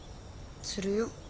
するよ。